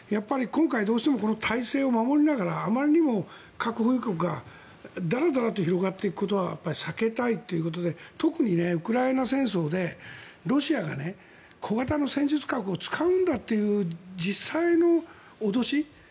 今回どうしても体制を守りながらあまりにも核保有国がだらだらと広がっていくことは避けたいということで特にウクライナ戦争でロシアが小型の戦術核を使うんだという実際の脅し